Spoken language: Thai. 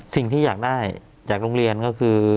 สิ่งที่อยากได้จากโรงเรียนก็คือ